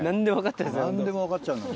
何でも分かっちゃいます